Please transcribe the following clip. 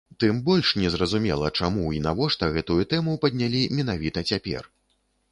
Тым больш не зразумела, чаму і навошта гэтую тэму паднялі менавіта цяпер?